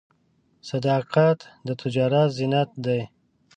صداقت د تجارت زینت دی.